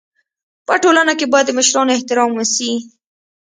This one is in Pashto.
په ټولنه کي بايد د مشرانو احترام وسي.